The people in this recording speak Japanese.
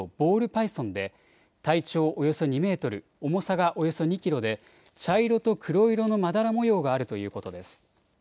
パイソンで体長およそ２メートル、重さがおよそ２キロで茶色と黒色のまだら模様があるということです。